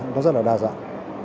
nó rất là đa dạng